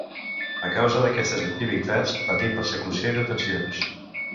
A causa d'aquestes activitats, patí persecució i detencions.